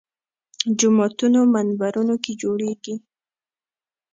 جوماتونو منبرونو کې جوړېږي